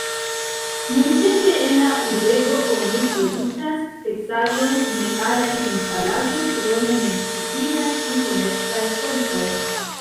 Nuntempe en la urbego oni produktas teksaĵojn, metalajn instalaĵojn, krome menciindas du komercaj centroj.